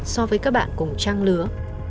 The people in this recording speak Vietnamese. so với các bạn cùng trang lứa